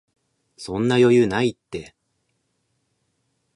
そんな余裕ないって